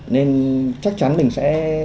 nên chắc chắn mình sẽ